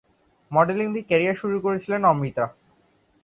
Modelling দিয়েই career শুরু করেছিলেন অমৃতা।